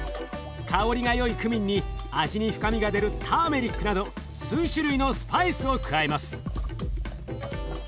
香りがよいクミンに味に深みが出るターメリックなど数種類のスパイスを加えます。